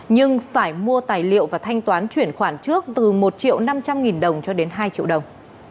nhưng phải mua tài liệu và thanh toán chuyển khoản trước từ một triệu năm trăm linh nghìn đồng cho đến hai triệu đồng